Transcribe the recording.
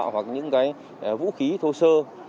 hoặc những vũ khí thô sơ